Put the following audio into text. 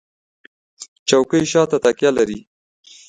چوکۍ شاته تکیه لري.